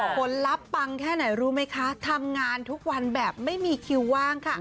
ผลลัพธ์ปังแค่ไหนรู้ไหมคะทำงานทุกวันแบบไม่มีคิวว่างค่ะ